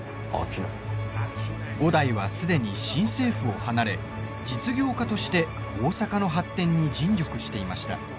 五代はすでに新政府を離れ実業家として大阪の発展に尽力していました。